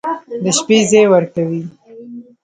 د شپې ځاى وركوي.